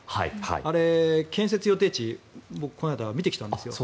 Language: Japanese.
あれ、建設予定地を僕この間見てきたんです。